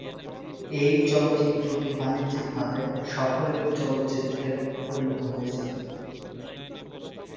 এই চলচ্চিত্রটি বাণিজ্যিক ভাবে সফল একটি চলচ্চিত্রে পরিণত হয়েছিল।